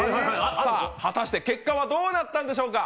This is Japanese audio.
さあ、果たして結果はどうなったんでしょうか？